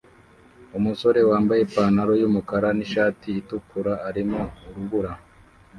Umusore wambaye ipantaro yumukara nishati itukura arimo urubura